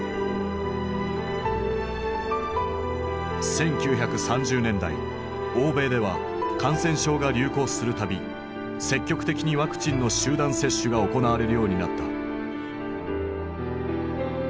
１９３０年代欧米では感染症が流行する度積極的にワクチンの集団接種が行われるようになった。